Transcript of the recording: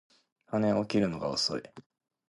姉は起きるのが遅い